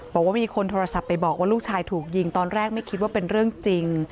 บอกว่ามีคนโทรศัพท์ไปบอกว่าลูกชายถูกยิงตอนแรกไม่คิดว่าเป็นเรื่องจริง